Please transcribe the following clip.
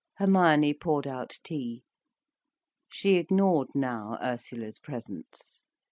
Hermione poured out tea. She ignored now Ursula's presence.